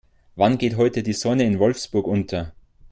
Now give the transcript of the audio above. Wann geht heute die Sonne in Wolfsburg unter?